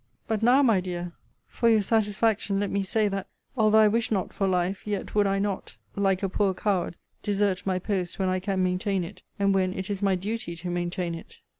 'But now, my dear, for your satisfaction let me say that, although I wish not for life, yet would I not, like a poor coward, desert my post when I can maintain it, and when it is my duty to maintain it.